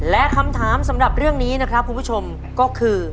และคำถามสำหรับเรื่องนี้นะครับคุณผู้ชมก็คือ